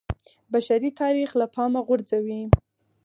بشري تاریخ له پامه غورځوي